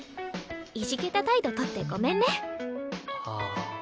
いじけた態度とってごめんね。